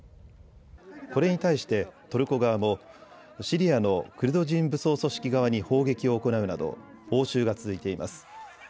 これに対してトルコ側もシリアのクルド人武装組織側に砲撃を行うなど応酬が続いています。